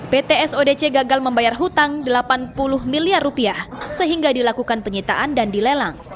ptsodc gagal membayar hutang rp delapan puluh miliar sehingga dilakukan penyitaan dan dilelang